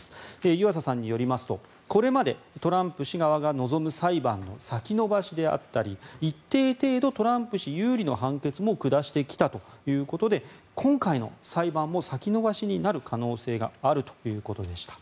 湯浅さんによりますとこれまでトランプ氏側が望む裁判の先延ばしであったり一定程度、トランプ氏有利の判決も下してきたということで今回の裁判も先延ばしになる可能性があるということでした。